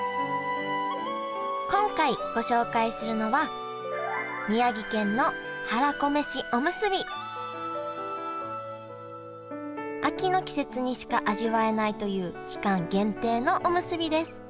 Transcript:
今回ご紹介するのは秋の季節にしか味わえないという期間限定のおむすびです。